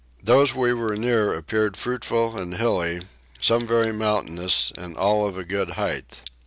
Those we were near appeared fruitful and hilly, some very mountainous and all of a good height.